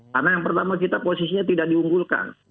karena yang pertama kita posisinya tidak diunggulkan